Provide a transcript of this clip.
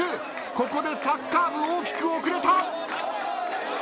ここでサッカー部大きく遅れた！